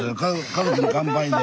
「家族に乾杯」で。